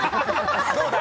どうだ？